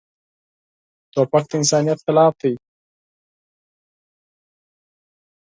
توپک د انسانیت خلاف دی.